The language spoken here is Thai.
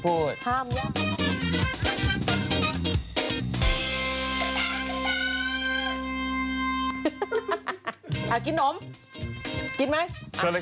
พี่มาชอบฉีดหนุ่มก้นไหลย้อน